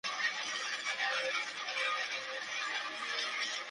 Albini produjo los siguientes cuatro álbumes de la banda "Head", "Goat", "Liar", y "Down".